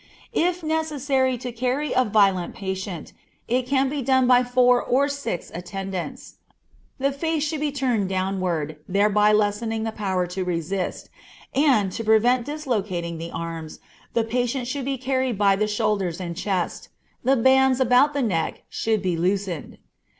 If necessary to carry a violent patient, it can be done by four or six attendants. The face should be turned downward, thereby lessening the power to resist, and, to prevent dislocating the arms, the patient should be carried by the shoulders and chest; the bands about the neck should be loosened.